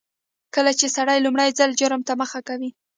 کله چې سړی لومړي ځل جرم ته مخه کوي